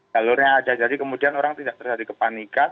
jalurnya ada jadi kemudian orang tidak terjadi kepanikan